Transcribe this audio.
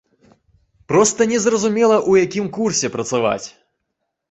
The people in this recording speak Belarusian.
Проста незразумела, у якім курсе працаваць.